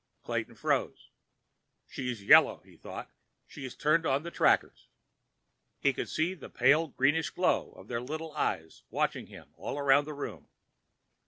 Clayton froze. She's yellow! he thought. She's turned on the trackers! He could see the pale greenish glow of their little eyes watching him all around the room.